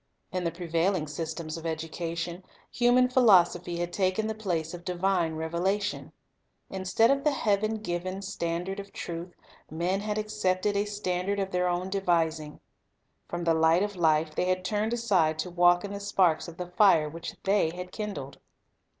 In the prevailing systems of education, human philos ophy had taken the place of divine revelation. Instead of the heavenrgiven standard of truth, men had ac cepted a standard of their own devising. From the Light of life they had turned aside to walk in the sparks of the fire which they had kindled.